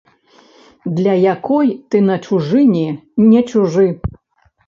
Для якой ты на чужыне не чужы.